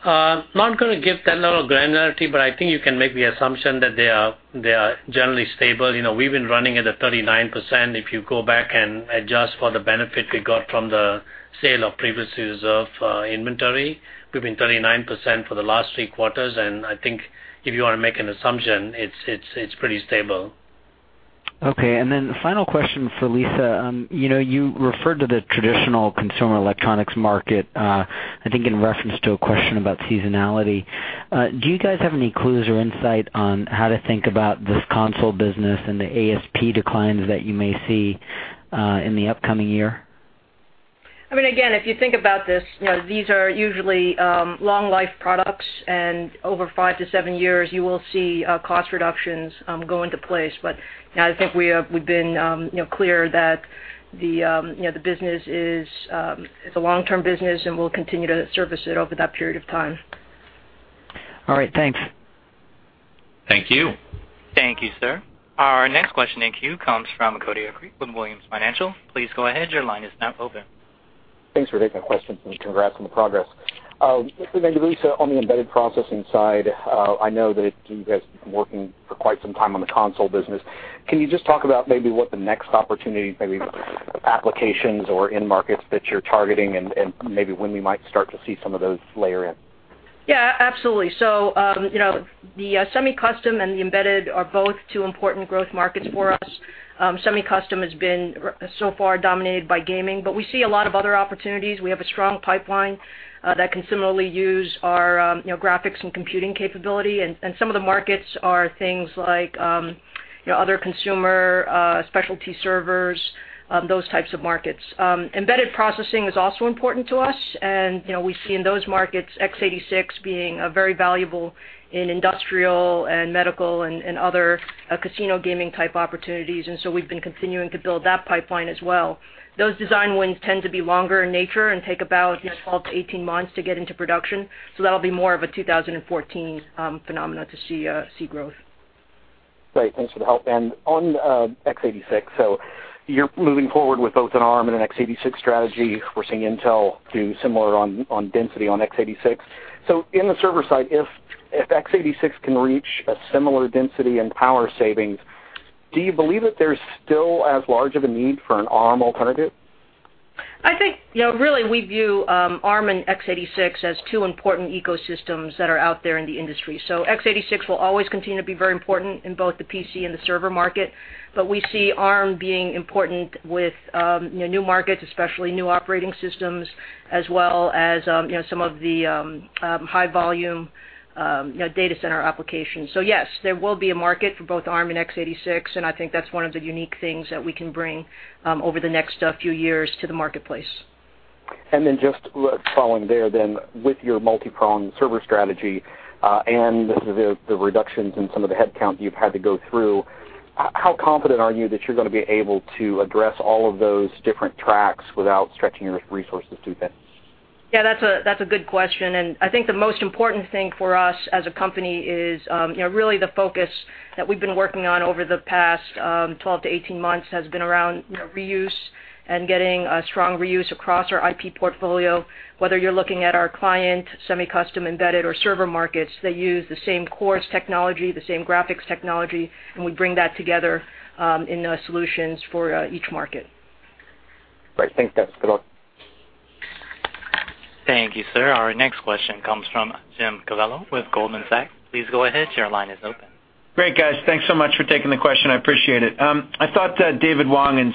I'm not going to give that level of granularity. I think you can make the assumption that they are generally stable. We've been running at a 39%. If you go back and adjust for the benefit we got from the sale of previous reserve inventory, we've been 39% for the last three quarters. I think if you want to make an assumption, it's pretty stable. Okay. The final question for Lisa. You referred to the traditional consumer electronics market, I think in reference to a question about seasonality. Do you guys have any clues or insight on how to think about this console business and the ASP declines that you may see in the upcoming year? Again, if you think about this, these are usually long life products, and over five to seven years, you will see cost reductions go into place. I think we've been clear that the business is a long-term business and we'll continue to service it over that period of time. All right. Thanks. Thank you. Thank you, sir. Our next question in queue comes from Cody Acree with Williams Financial. Please go ahead. Your line is now open. Thanks for taking the question, and congrats on the progress. Lisa, on the embedded processing side, I know that you guys have been working for quite some time on the console business. Can you just talk about maybe what the next opportunity, maybe applications or end markets that you're targeting and maybe when we might start to see some of those layer in? Yeah, absolutely. The semi-custom and the embedded are both two important growth markets for us. Semi-custom has been so far dominated by gaming, but we see a lot of other opportunities. We have a strong pipeline that can similarly use our graphics and computing capability. Some of the markets are things like other consumer specialty servers, those types of markets. Embedded processing is also important to us, and we see in those markets, x86 being very valuable in industrial and medical and other casino gaming type opportunities. We've been continuing to build that pipeline as well. Those design wins tend to be longer in nature and take about 12 to 18 months to get into production. That'll be more of a 2014 phenomenon to see growth. Great. Thanks for the help. On x86, you're moving forward with both an Arm and an x86 strategy. We're seeing Intel do similar on density on x86. In the server side, if x86 can reach a similar density and power savings, do you believe that there's still as large of a need for an Arm alternative? I think, really, we view Arm and x86 as two important ecosystems that are out there in the industry. x86 will always continue to be very important in both the PC and the server market, but we see Arm being important with new markets, especially new operating systems, as well as some of the high volume data center applications. Yes, there will be a market for both Arm and x86, and I think that's one of the unique things that we can bring over the next few years to the marketplace. Just following there then, with your multi-pronged server strategy, and the reductions in some of the headcount you've had to go through, how confident are you that you're going to be able to address all of those different tracks without stretching your resources too thin? Yeah, that's a good question. I think the most important thing for us as a company is, really the focus that we've been working on over the past 12 to 18 months has been around reuse and getting a strong reuse across our IP portfolio. Whether you're looking at our client, semi-custom, embedded, or server markets, they use the same cores technology, the same graphics technology, and we bring that together in the solutions for each market. Great. Thanks, guys. Good luck. Thank you, sir. Our next question comes from Jim Covello with Goldman Sachs. Please go ahead. Your line is open. Great, guys. Thanks so much for taking the question. I appreciate it. I thought that David Wong and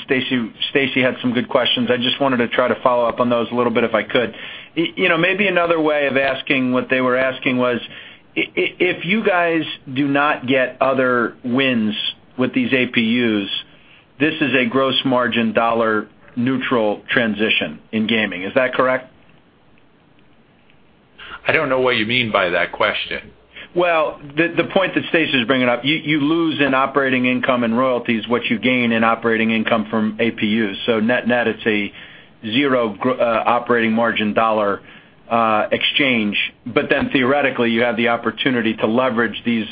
Stacy had some good questions. I just wanted to try to follow up on those a little bit, if I could. Maybe another way of asking what they were asking was, if you guys do not get other wins with these APUs, this is a gross margin dollar neutral transition in gaming. Is that correct? I don't know what you mean by that question. The point that Stacy is bringing up, you lose in operating income and royalties, what you gain in operating income from APUs. Net, it's a zero operating margin dollar exchange. Theoretically, you have the opportunity to leverage these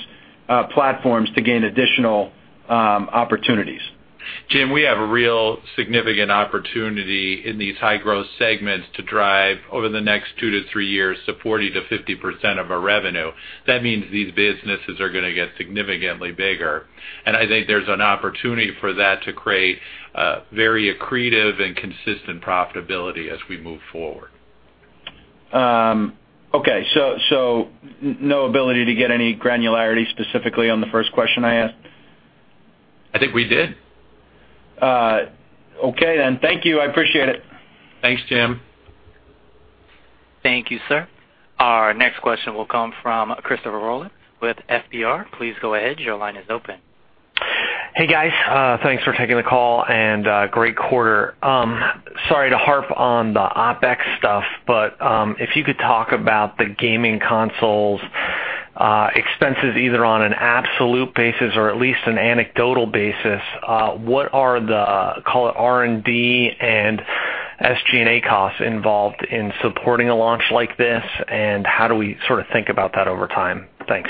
platforms to gain additional opportunities. Jim, we have a real significant opportunity in these high growth segments to drive over the next two to three years, to 40%-50% of our revenue. That means these businesses are going to get significantly bigger. I think there's an opportunity for that to create very accretive and consistent profitability as we move forward. Okay. No ability to get any granularity specifically on the first question I asked? I think we did. Okay. Thank you. I appreciate it. Thanks, Jim. Thank you, sir. Our next question will come from Christopher Rolland with FBR. Please go ahead. Your line is open. Hey, guys. Thanks for taking the call and great quarter. Sorry to harp on the OpEx stuff, but, if you could talk about the gaming consoles expenses, either on an absolute basis or at least an anecdotal basis, what are the, call it R&D and SG&A costs involved in supporting a launch like this, and how do we sort of think about that over time? Thanks.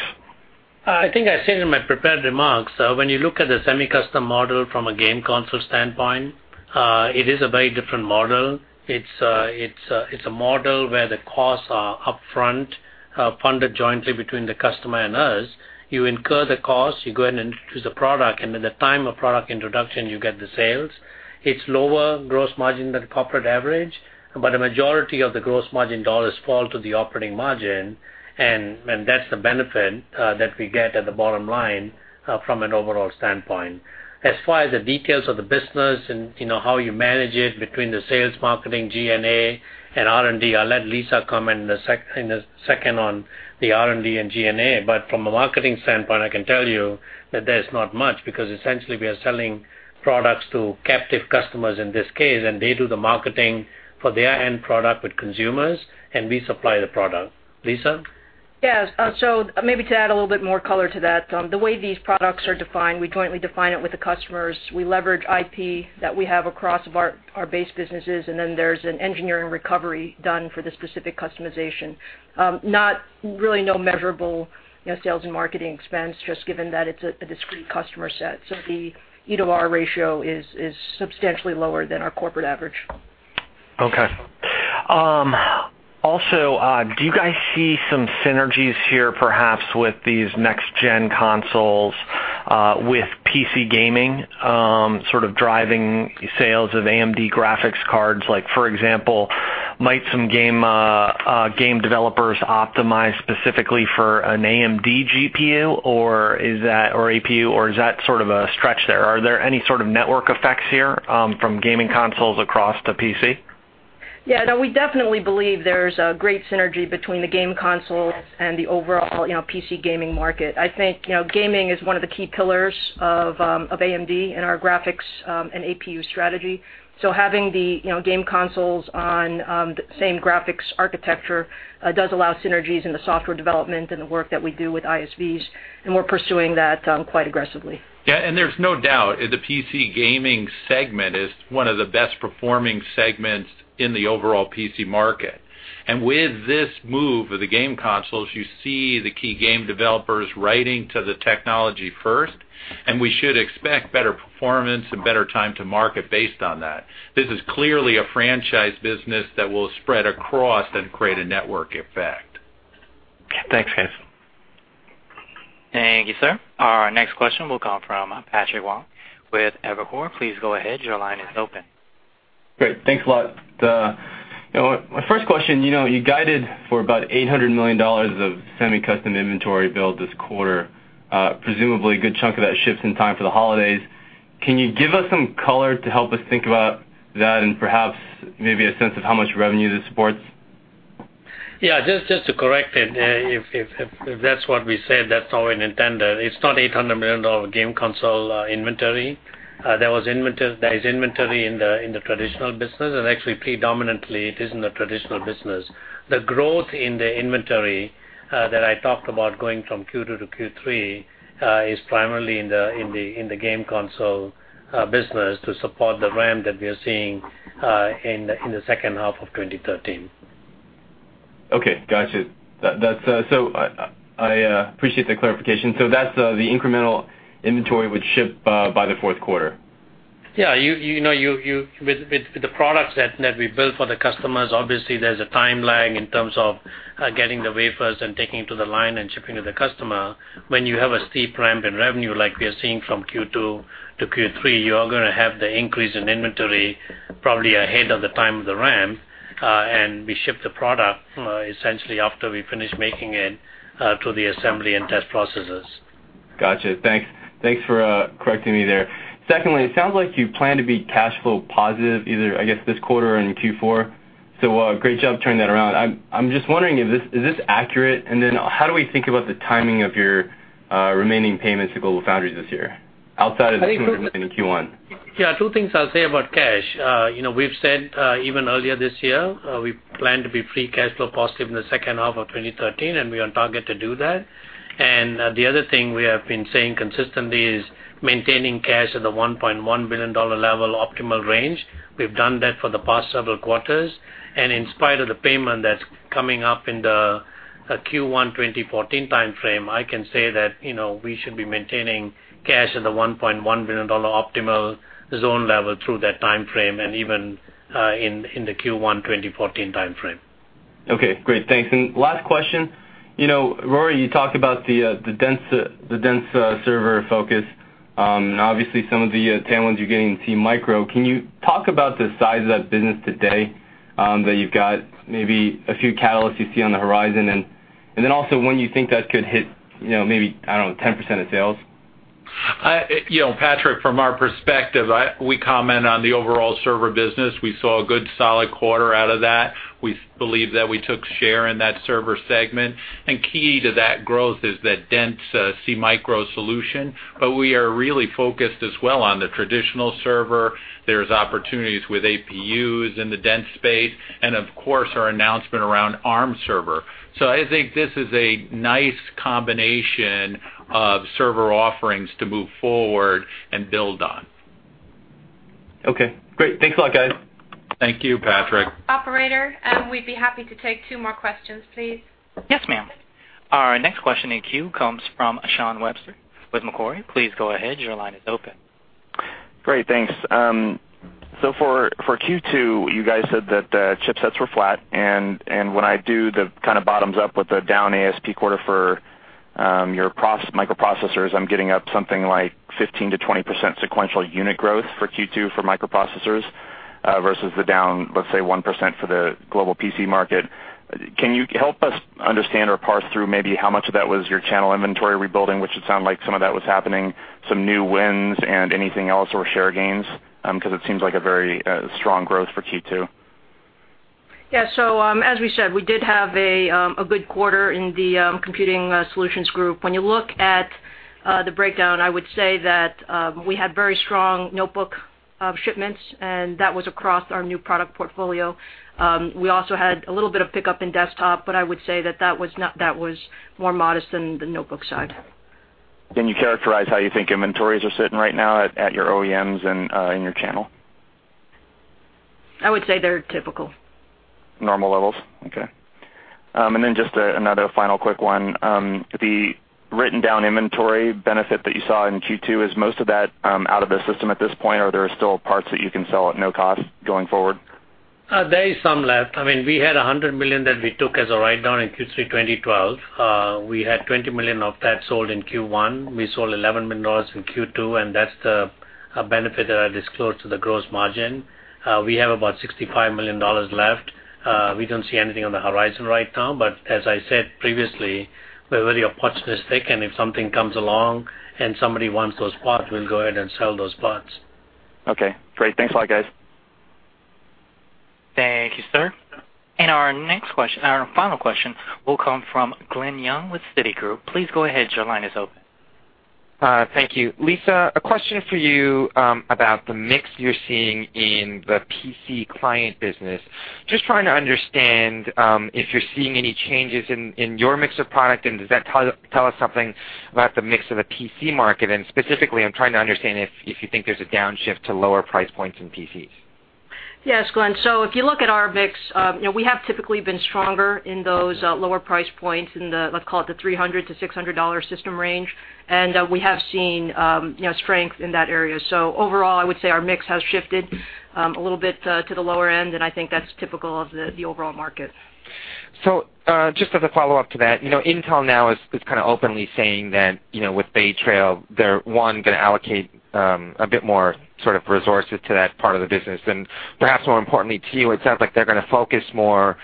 I think I said in my prepared remarks, when you look at the semi-custom model from a game console standpoint, it is a very different model. It's a model where the costs are upfront, funded jointly between the customer and us. You incur the cost, you go ahead and introduce the product, and at the time of product introduction, you get the sales. It's lower gross margin than corporate average, but a majority of the gross margin dollars fall to the operating margin, and that's the benefit that we get at the bottom line from an overall standpoint. As far as the details of the business and how you manage it between the sales marketing G&A and R&D, I'll let Lisa comment in a second on the R&D and G&A. From a marketing standpoint, I can tell you that there's not much, because essentially we are selling products to captive customers in this case, and they do the marketing for their end product with consumers, and we supply the product. Lisa? Yes. Maybe to add a little bit more color to that. The way these products are defined, we jointly define it with the customers. We leverage IP that we have across our base businesses, and then there's an engineering recovery done for the specific customization. Really no measurable sales and marketing expense, just given that it's a discrete customer set. The E/R ratio is substantially lower than our corporate average. Okay. Do you guys see some synergies here, perhaps with these next gen consoles, with PC gaming, sort of driving sales of AMD graphics cards? Like for example, might some game developers optimize specifically for an AMD GPU or APU, or is that sort of a stretch there? Are there any sort of network effects here from gaming consoles across to PC? Yeah, no, we definitely believe there's a great synergy between the game consoles and the overall PC gaming market. I think gaming is one of the key pillars of AMD and our graphics and APU strategy. Having the game consoles on the same graphics architecture does allow synergies in the software development and the work that we do with ISVs, we're pursuing that quite aggressively. Yeah, there's no doubt the PC gaming segment is one of the best-performing segments in the overall PC market. With this move of the game consoles, you see the key game developers writing to the technology first, we should expect better performance and better time to market based on that. This is clearly a franchise business that will spread across and create a network effect. Thanks, guys. Thank you, sir. Our next question will come from Patrick Wang with Evercore. Please go ahead. Your line is open. Great. Thanks a lot. My first question, you guided for about $800 million of semi-custom inventory build this quarter. Presumably a good chunk of that ships in time for the holidays. Can you give us some color to help us think about that and perhaps maybe a sense of how much revenue this supports? Yeah, just to correct it, if that's what we said, that's how we intended. It's not $800 million game console inventory. There is inventory in the traditional business, actually predominantly it is in the traditional business. The growth in the inventory that I talked about going from Q2 to Q3 is primarily in the game console business to support the ramp that we are seeing in the second half of 2013. Okay, gotcha. I appreciate the clarification. That's the incremental inventory, which ship by the fourth quarter. With the products that we build for the customers, obviously there's a time lag in terms of getting the wafers and taking to the line and shipping to the customer. When you have a steep ramp in revenue like we are seeing from Q2 to Q3, you are going to have the increase in inventory probably ahead of the time of the ramp. We ship the product essentially after we finish making it through the assembly and test processes. Gotcha. Thanks for correcting me there. Secondly, it sounds like you plan to be cash flow positive either, I guess, this quarter or in Q4. Great job turning that around. I'm just wondering, is this accurate? How do we think about the timing of your remaining payments to GlobalFoundries this year outside of the $200 million in Q1? Two things I'll say about cash. We've said even earlier this year, we plan to be free cash flow positive in the second half of 2013, we are on target to do that. The other thing we have been saying consistently is maintaining cash at the $1.1 billion level optimal range. We've done that for the past several quarters. In spite of the payment that's coming up in the Q1 2014 timeframe, I can say that we should be maintaining cash at the $1.1 billion optimal zone level through that timeframe and even in the Q1 2014 timeframe. Okay, great. Thanks. Last question. Rory, you talked about the dense server focus. Obviously some of the tailwinds you're getting in SeaMicro. Can you talk about the size of that business today that you've got, maybe a few catalysts you see on the horizon, also when you think that could hit maybe, I don't know, 10% of sales? Patrick, from our perspective, we comment on the overall server business. We saw a good solid quarter out of that. We believe that we took share in that server segment. Key to that growth is that dense SeaMicro solution. We are really focused as well on the traditional server. There's opportunities with APUs in the dense space, and of course our announcement around Arm server. I think this is a nice combination of server offerings to move forward and build on. Okay, great. Thanks a lot, guys. Thank you, Patrick. Operator, we'd be happy to take two more questions, please. Yes, ma'am. Our next question in queue comes from Shawn Webster with Macquarie. Please go ahead. Your line is open. Great, thanks. For Q2, you guys said that chipsets were flat, and when I do the bottoms-up with the down ASP quarter for your microprocessors, I'm getting up something like 15%-20% sequential unit growth for Q2 for microprocessors versus the down, let's say, 1% for the global PC market. Can you help us understand or parse through maybe how much of that was your channel inventory rebuilding, which it sound like some of that was happening, some new wins, and anything else, or share gains? It seems like a very strong growth for Q2. Yeah. As we said, we did have a good quarter in the Computing Solutions Group. When you look at the breakdown, I would say that we had very strong notebook shipments, and that was across our new product portfolio. We also had a little bit of pickup in desktop, but I would say that that was more modest than the notebook side. Can you characterize how you think inventories are sitting right now at your OEMs and in your channel? I would say they're typical. Normal levels? Okay. Just another final quick one. The written-down inventory benefit that you saw in Q2, is most of that out of the system at this point, or are there still parts that you can sell at no cost going forward? There is some left. We had $100 million that we took as a write-down in Q3 2012. We had $20 million of that sold in Q1. We sold $11 million in Q2, and that's the benefit that I disclosed to the gross margin. We have about $65 million left. We don't see anything on the horizon right now, but as I said previously, we're very opportunistic, and if something comes along and somebody wants those parts, we'll go ahead and sell those parts. Okay, great. Thanks a lot, guys. Thank you, sir. Our final question will come from Glen Yeung with Citigroup. Please go ahead. Your line is open. Thank you. Lisa, a question for you about the mix you're seeing in the PC client business. Just trying to understand if you're seeing any changes in your mix of product, does that tell us something about the mix of the PC market? Specifically, I'm trying to understand if you think there's a downshift to lower price points in PCs. Yes, Glen. If you look at our mix, we have typically been stronger in those lower price points in the, let's call it the $300-$600 system range. We have seen strength in that area. Overall, I would say our mix has shifted a little bit to the lower end, and I think that's typical of the overall market. Just as a follow-up to that, Intel now is openly saying that with Bay Trail, they're one, going to allocate a bit more resources to that part of the business. Perhaps more importantly to you, it sounds like they're going to focus more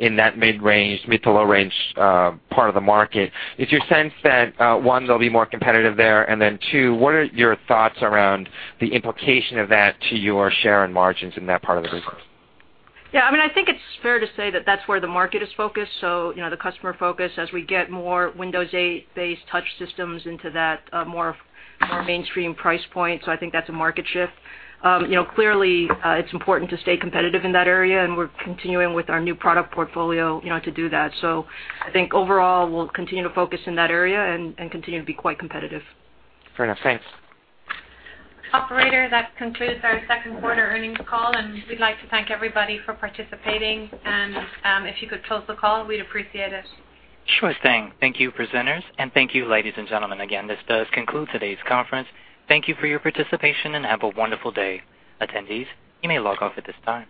in that mid-range, mid-to-low range part of the market. Is your sense that, one, they'll be more competitive there, then two, what are your thoughts around the implication of that to your share and margins in that part of the business? I think it's fair to say that that's where the market is focused. The customer focus as we get more Windows 8-based touch systems into that more mainstream price point. I think that's a market shift. Clearly, it's important to stay competitive in that area, and we're continuing with our new product portfolio to do that. I think overall, we'll continue to focus in that area and continue to be quite competitive. Fair enough. Thanks. Operator, that concludes our second quarter earnings call, and we'd like to thank everybody for participating, and if you could close the call, we'd appreciate it. Sure thing. Thank you, presenters, and thank you, ladies and gentlemen. Again, this does conclude today's conference. Thank you for your participation, and have a wonderful day. Attendees, you may log off at this time.